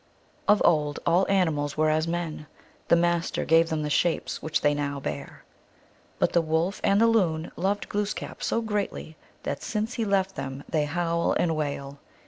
Of old all ani mals were as men ; the Master gave them the shapes which they now bear. But the Wolf and the Loon loved Glooskap so greatly that since he left them they liowl and wail.